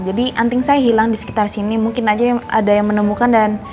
jadi anting saya hilang di sekitar sini mungkin aja